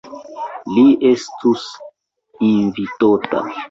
Li estus invitota.